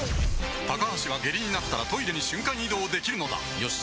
高橋は下痢になったらトイレに瞬間移動できるのだよし。